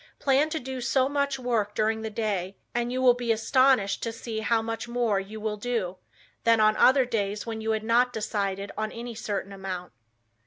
Plan to do so much work during the day and you will be astonished to see how much more you will do, than on other days, when you had not decided on any certain amount.